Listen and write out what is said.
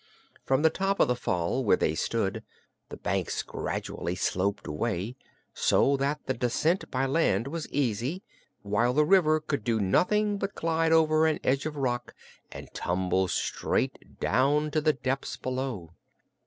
From the top of the fall, where they stood, the banks gradually sloped away, so that the descent by land was quite easy, while the river could do nothing but glide over an edge of rock and tumble straight down to the depths below.